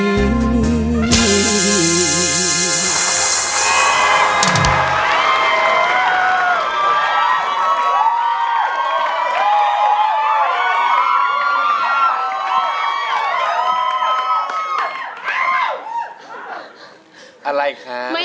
ไม่ซาลียาก่อนออกมาได้